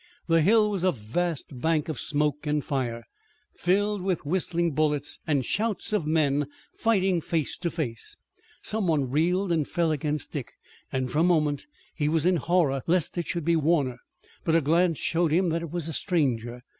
The hill was a vast bank of smoke and fire, filled with whistling bullets and shouts of men fighting face to face. Some one reeled and fell against Dick, and for a moment, he was in horror lest it should be Warner, but a glance showed him that it was a stranger.